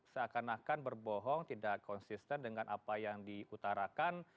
seakan akan berbohong tidak konsisten dengan apa yang diutarakan